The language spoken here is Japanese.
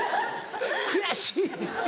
悔しい！